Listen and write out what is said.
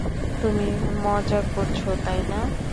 তুমি মজা করছ, তাই না।